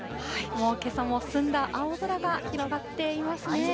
もうけさも澄んだ青空が広がっていますね。